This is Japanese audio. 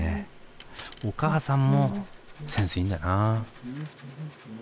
お母さんもセンスいいんだなぁ。